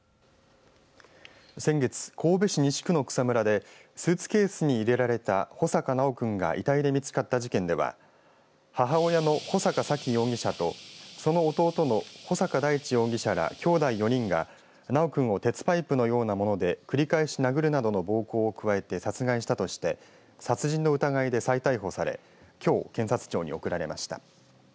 先月、神戸市西区の草むらでスーツケースに入れられた穂坂修君が遺体で見つかった事件では母親の穂坂沙喜容疑者とその弟の穂坂大地容疑者らきょうだい４人が修君を鉄パイプのようなもので繰り返し殴るなどの暴行を加えて殺害したとして殺人の疑いで再逮捕されきょう検察庁に送られました。